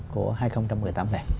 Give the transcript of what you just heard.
của hai nghìn một mươi tám này